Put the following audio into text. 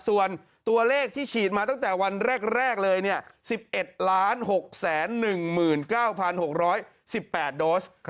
ส่วนตัวเลขที่ฉีดมาตั้งแต่วันแรกเลย๑๑๖๑๙๖๑๘โดส